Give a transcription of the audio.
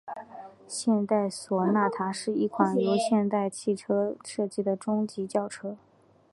现代索纳塔是一款由现代汽车设计的中级轿车。